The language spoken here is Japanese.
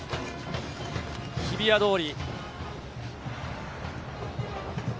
日比谷通り。